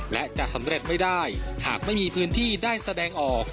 และจะสำเร็จไม่ได้หากไม่มีพื้นที่ได้แสดงออก